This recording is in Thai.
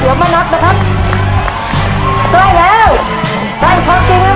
ที่มาร่วมรายการของเราจากการตอบถูกในแต่ละข้อจะได้สิทธิ์เลือกกุญแจเพื่อไปขายตู้โบนัสจำนวนสี่ตู้นะครับ